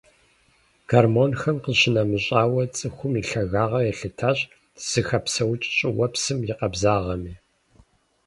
Гормонхэм къищынэмыщӀауэ, цӀыхум и лъагагъэр елъытащ зыхэпсэукӀ щӀыуэпсым и къабзагъэми.